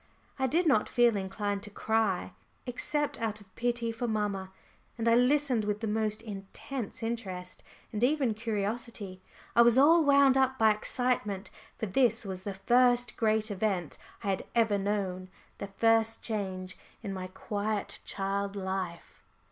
I did not feel inclined to cry, except out of pity for mamma. And I listened with the most intense interest, and even curiosity. I was all wound up by excitement, for this was the first great event I had ever known, the first change in my quiet child life.